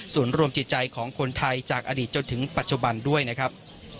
ส่วนรวมจิตใจของคนไทยจากอดีตจนถึงปัจจุบันด้วยนะครับ